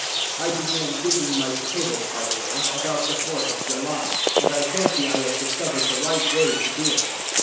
I began digging my potatoes, by the way, about the 4th of July; and I fancy I have discovered the right way to do it.